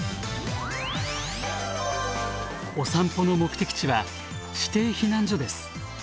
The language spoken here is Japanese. お散歩の目的地は指定避難所です。